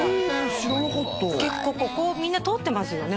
知らなかった結構ここみんな通ってますよね